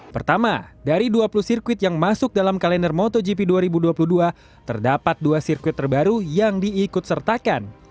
pertama dari dua puluh sirkuit yang masuk dalam kalender motogp dua ribu dua puluh dua terdapat dua sirkuit terbaru yang diikut sertakan